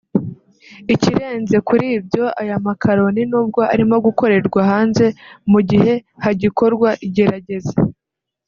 Ikirenze kuri ibyo aya makaroni n’ubwo arimo gukorerwa hanze mu gihe hagikorwa igerageza